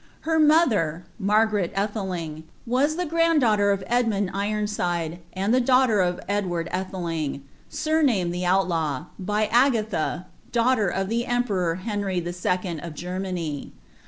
Her mother, Margaret Alheling, was the grand daughter of Edmund Ironside, and the daughter of Edward Aiheltng, aumamed the Outlaw, by Antha, daughter of t)ie emperor Uenry II. of Germany.